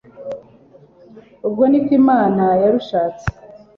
ubwo niko imana yabishatse